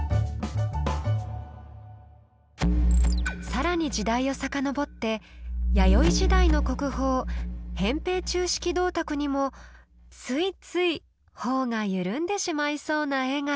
更に時代を遡って弥生時代の国宝「扁平鈕式銅鐸」にもついつい頬が緩んでしまいそうな絵が。